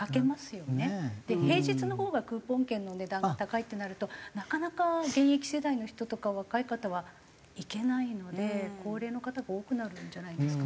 平日のほうがクーポン券の値段が高いってなるとなかなか現役世代の人とか若い方は行けないので高齢の方が多くなるんじゃないですかね。